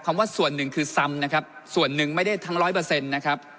ว่าส่วนหนึ่งคือซ้ำนะครับส่วนหนึ่งไม่ได้ทั้งร้อยเปอร์เซ็นต์นะครับ